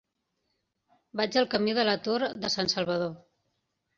Vaig al camí de la Torre de Sansalvador.